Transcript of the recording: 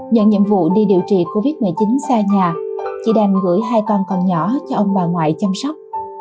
nhận nhiệm vụ đi điều trị covid một mươi chín xa nhà chị đành gửi hai con còn nhỏ cho ông bà ngoại chăm sóc